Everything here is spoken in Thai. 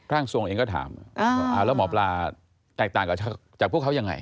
ร่างทรงเองก็ถามแล้วหมอปลาแตกต่างจากพวกเขายังไง